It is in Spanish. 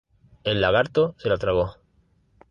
El lagarto se la tragó.